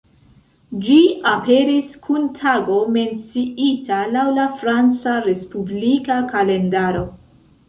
Ĝi aperis kun tago menciita laŭ la Franca respublika kalendaro.